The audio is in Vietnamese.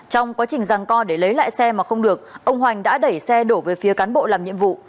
trong quá trình răng co để lấy lại xe mà không được ông hoành đã đẩy xe đổ về phía cán bộ làm nhiệm vụ